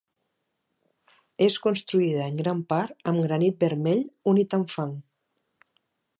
És construïda en gran part amb granit vermell unit amb fang.